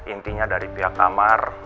intinya dari pihak amar